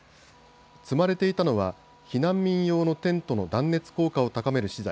積まれていたのは避難民用のテントの断熱効果を高める資材